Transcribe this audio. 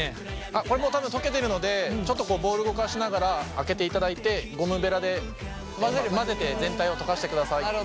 これもう多分溶けてるのでちょっとボウルを動かしながら開けていただいてゴムベラで混ぜて全体を溶かしてください。